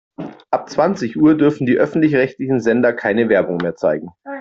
Ab zwanzig Uhr dürfen die öffentlich-rechtlichen Sender keine Werbung mehr zeigen.